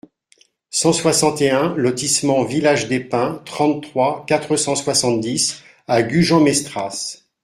cent soixante et un lotissement Village des Pins, trente-trois, quatre cent soixante-dix à Gujan-Mestras